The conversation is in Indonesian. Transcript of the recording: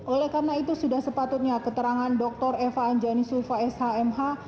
oleh karena itu sudah sepatutnya keterangan dr eva anjani sulfa s h m h